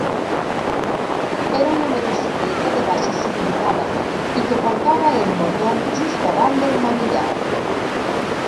Era una motocicleta de baixa cilindrada i que portava el motor just davant del manillar.